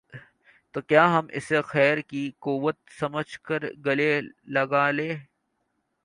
تو کیا ہم اسے خیر کی قوت سمجھ کر گلے لگا لیں گے؟